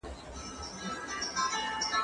زه پرون د زده کړو تمرين کوم!.